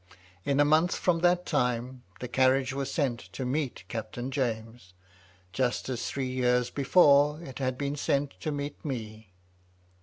In a month from that time, the carriage was sent to meet Captain James ; just as three years before it had been sent to meet me.